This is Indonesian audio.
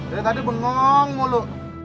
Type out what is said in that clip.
dari tadi bengong mulu